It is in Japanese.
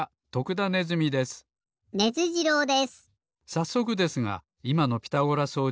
さっそくですがいまのピタゴラ装置